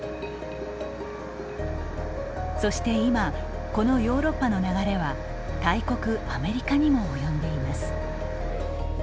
そして今このヨーロッパの流れは大国アメリカにも及んでいます。